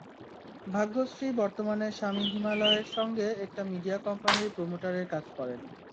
ভাগ্যশ্রী বর্তমানে স্বামী হিমালয়ের সঙ্গে একটা মিডিয়া কোম্পানির প্রোমোটারের কাজ করেন।